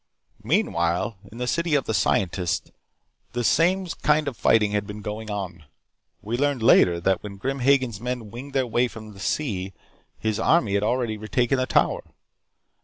"Meanwhile, in the city of the Scientists, the same kind of fighting had been going on. We learned later that when Grim Hagen's men winged their way in from the sea, his army had already retaken the Tower.